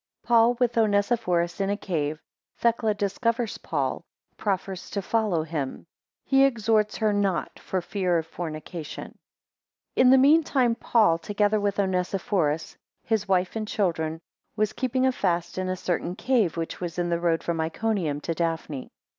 1 Paul with Onesiphorus in a cave. 7 Thecla discovers Paul; 12 proffers to follow him: 13 he exhorts her not for fear of fornication. IN the mean time Paul, together with Onesiphorus, his wife and children, was keeping a fast in a certain cave, which was in the road from Iconium to Daphne.